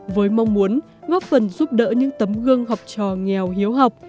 với mong muốn góp phần giúp đỡ những tấm gương học trò nghèo hiếu học